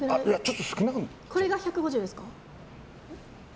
これが１５０ですか？